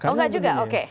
oh nggak juga oke